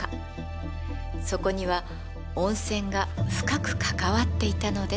そこには温泉が深く関わっていたのです。